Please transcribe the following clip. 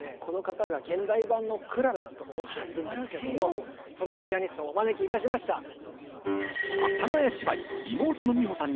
この方が現代版のクララだと思っているんですけどもそんなピアニストをお招きいたしました。